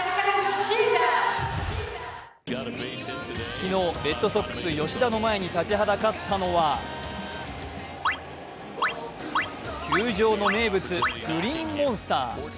昨日、レッドソックス吉田の前に立ちはだかったのは球場の名物グリーンモンスター。